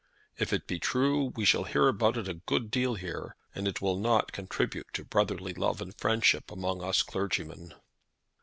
If it be true we shall hear about it a good deal here, and it will not contribute to brotherly love and friendship among us clergymen."